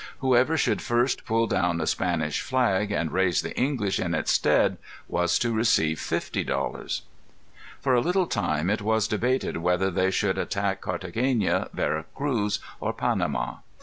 Whoever should first pull down a Spanish flag, and raise the English in its stead, was to receive fifty dollars. For a little time, it was debated whether they should attack Carthagena, Vera Cruz, or Panama.